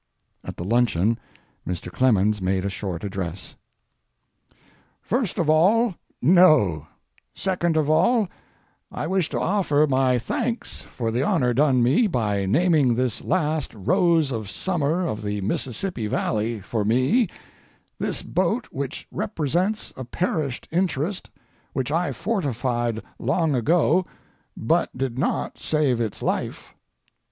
At the luncheon Mr. Clemens made a short address. First of all, no—second of all—I wish to offer my thanks for the honor done me by naming this last rose of summer of the Mississippi Valley for me, this boat which represents a perished interest, which I fortified long ago, but did not save its life.